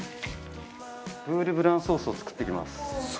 ブールブランソースを作っていきます。